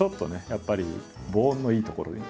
やっぱり防音のいい所に。